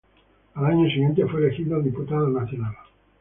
Al año siguiente fue elegido diputado nacional.